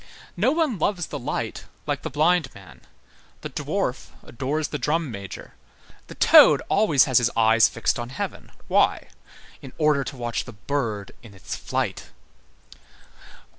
No one loves the light like the blind man. The dwarf adores the drum major. The toad always has his eyes fixed on heaven. Why? In order to watch the bird in its flight.